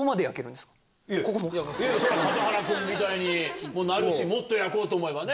だから数原君みたいになるし、もっと焼こうと思えばね。